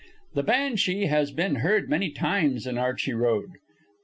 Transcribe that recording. The Banshee has been heard many times in Archey Road.